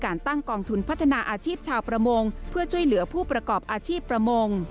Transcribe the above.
อาชีพชาวประมงเพื่อช่วยเหลือผู้ประกอบอาชีพประมง